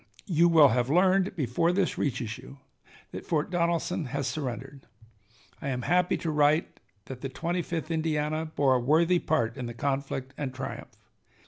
You will have learned before this reaches you that Fort Donelson has surrendered. I am happy to write that the Twenty fifth Indiana bore a worthy part in the conflict and triumph.